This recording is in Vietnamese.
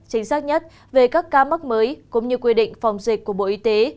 chính xác nhất về các ca mắc mới cũng như quy định phòng dịch của bộ y tế